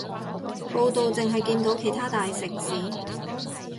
報導淨係見到其他大城市